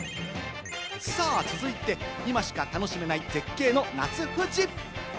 続いて、今しか楽しめない絶景の夏富士。